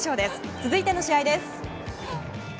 続いての試合です。